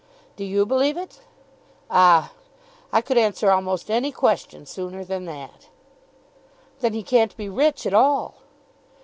"Do you believe it?" "Ah, I could answer almost any question sooner than that." "Then he can't be rich at all."